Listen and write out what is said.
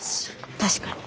確かに。